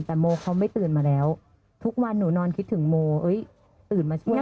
แต่โมเขาไม่ตื่นมาแล้วทุกวันหนูนอนคิดถึงโมเอ้ยตื่นมาช่วย